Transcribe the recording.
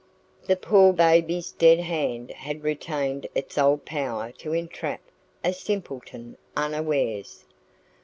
The poor baby's dead hand had retained its old power to entrap a simpleton unawares.